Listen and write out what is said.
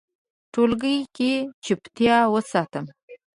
ټولګي کې چوپتیا وساتم.